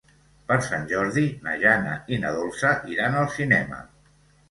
Per Sant Jordi na Jana i na Dolça iran al cinema.